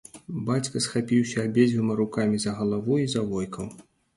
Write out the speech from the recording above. Бацька схапіўся абедзвюма рукамі за галаву і завойкаў.